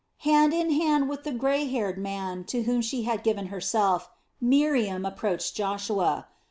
Hand in hand with the grey haired man to whom she had given herself, Miriam approached Joshua.